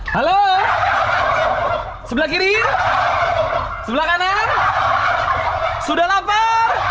halo sebelah kiri sebelah kanan sudah lapar